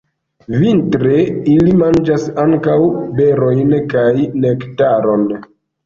Vintre ili manĝas ankaŭ berojn kaj nektaron.